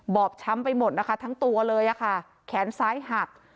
บอบช้ำไปหมดนะคะทั้งตัวเลยค่ะแขนซ้ายหัก